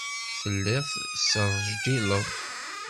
Telliḍ tesrejdileḍ.